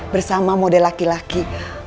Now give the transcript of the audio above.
bersama model laki laki